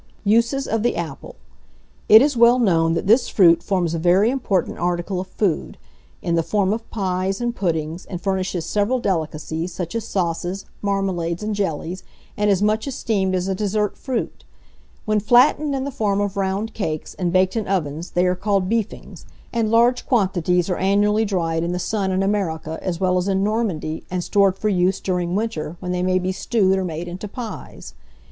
USES OF THE APPLE. It is well known that this fruit forms a very important article of food, in the form of pies and puddings, and furnishes several delicacies, such as sauces, marmalades, and jellies, and is much esteemed as a dessert fruit. When flattened in the form of round cakes, and baked in ovens, they are called beefings; and large quantities are annually dried in the sun in America, as well as in Normandy, and stored for use during winter, when they may be stewed or made into pies.